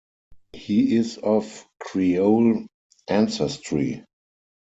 He is of Creole ancestry.